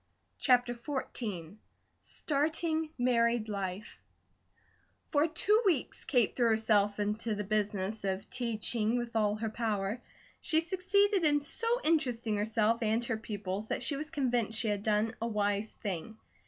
CHAPTER XIV STARTING MARRIED LIFE FOR two weeks Kate threw herself into the business of teaching with all her power. She succeeded in so interesting herself and her pupils that she was convinced she had done a wise thing.